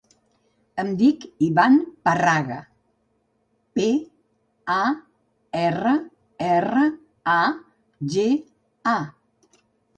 Em dic Ivan Parraga: pe, a, erra, erra, a, ge, a.